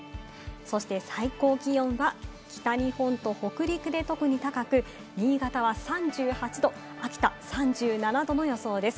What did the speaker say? そして最高気温は北日本と北陸で特に高く、新潟は３８度、秋田３７度の予想です。